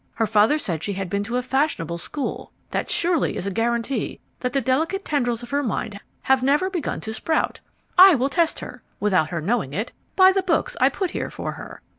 Her father said she had been to a fashionable school: that surely is a guarantee that the delicate tendrils of her mind have never begun to sprout. I will test her (without her knowing it) by the books I put here for her.